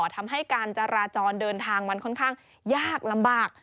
ทำให้การจราจรเดินทางมันค่อนข้างยากลำบาก